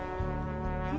え？